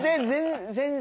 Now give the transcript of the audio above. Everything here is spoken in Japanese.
全然。